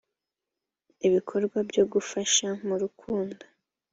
ibikorwa byo gufasha mu rukundo